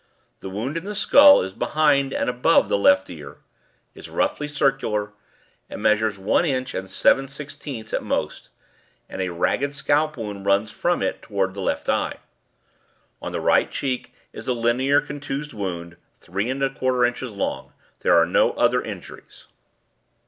The wound in the skull is behind and above the left ear, is roughly circular, and measures one inch and seven sixteenths at most, and a ragged scalp wound runs from it towards the left eye. On the right cheek is a linear contused wound three and a quarter inches long. There are no other injuries.